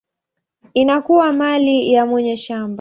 inakuwa mali ya mwenye shamba.